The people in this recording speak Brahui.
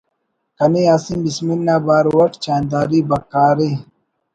٭کنے یاسین بسمل نا بارو اٹ چاہنداری بکار ءِ